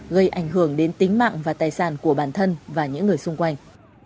gây ảnh hưởng đến tính mạng và tài sản của bản thân và những người xung quanh